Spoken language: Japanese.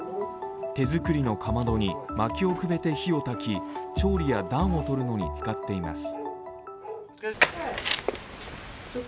手作りのかまどにまきをくべて火をたき、調理や暖を取るのに使っています。